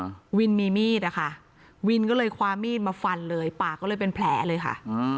วินมีมีดอ่ะค่ะวินก็เลยคว้ามีดมาฟันเลยปากก็เลยเป็นแผลเลยค่ะอ่า